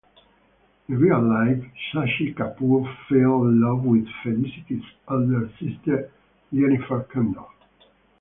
In real life, Shashi Kapoor fell in love with Felicity's elder sister Jennifer Kendal.